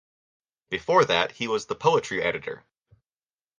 Before that he was the poetry editor.